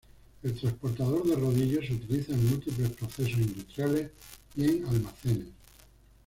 El transportador de rodillos se utiliza en múltiples procesos industriales y en almacenes.